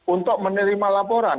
untuk menerima laporan